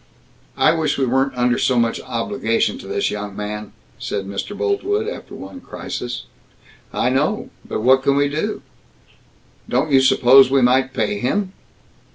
"I wish we weren't under so much obligation to this young man," said Mr. Boltwood, after one crisis. "I know but what can we do?" "Don't you suppose we might pay him?"